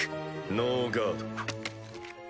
ノーガード。